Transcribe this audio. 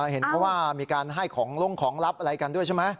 เห็นเพราะว่ามีการให้ของลงของลับอะไรกันด้วยใช่ไหม